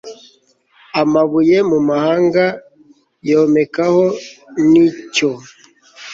amabuye mu mahanga yomekaho n icyo